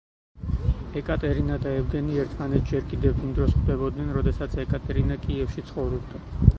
ეკატერინა და ევგენი ერთმანეთს ჯერ კიდევ იმ დროს ხვდებოდნენ, როდესაც ეკატერინა კიევში ცხოვრობდა.